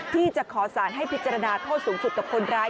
ที่จะขอสารให้พิจารณาโทษสูงสุดกับคนร้าย